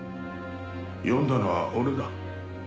呼んだのは俺だ。